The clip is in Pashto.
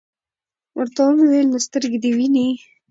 ورته ومي ویل : نو سترګي دي وینې ؟